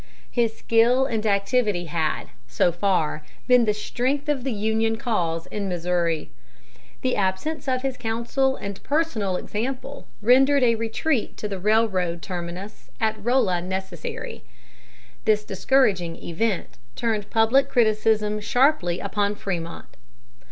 His skill and activity had, so far, been the strength of the Union cause in Missouri. The absence of his counsel and personal example rendered a retreat to the railroad terminus at Rolla necessary. This discouraging event turned public criticism sharply upon Frémont.